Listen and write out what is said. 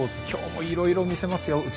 今日もいろいろ見せますよ。